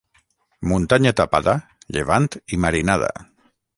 Muntanya tapada, llevant i marinada.